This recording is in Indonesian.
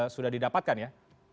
sudah didapatkan ya